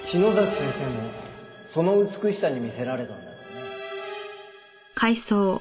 先生もその美しさに魅せられたんだろうね。